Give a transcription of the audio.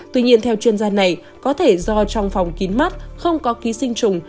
tuy nhiên theo chuyên gia này có thể do trong phòng kín mắt không có ký sinh trùng